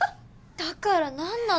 だから何なの？